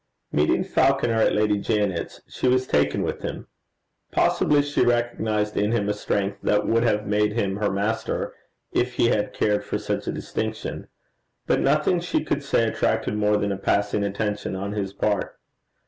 Meeting Falconer at Lady Janet's, she was taken with him. Possibly she recognized in him a strength that would have made him her master, if he had cared for such a distinction; but nothing she could say attracted more than a passing attention on his part.